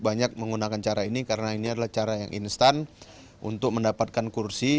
banyak menggunakan cara ini karena ini adalah cara yang instan untuk mendapatkan kursi